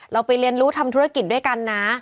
เราไปเรียนรู้ทำธุรกิจด้วยกันนะ